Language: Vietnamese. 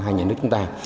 hai nhà nước chúng ta